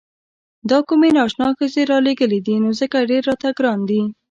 دا کومې نا اشنا ښځې رالېږلي دي نو ځکه ډېر راته ګران دي.